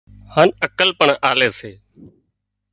هانَ عقل پڻ آلي سي